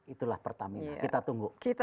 itulah pertamanya kita tunggu